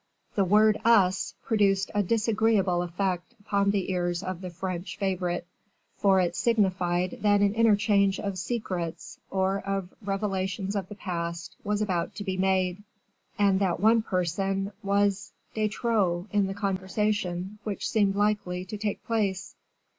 The word "us" produced a disagreeable effect upon the ears of the French favorite; for it signified that an interchange of secrets, or of revelations of the past, was about to be made, and that one person was de trop in the conversation which seemed likely to take place.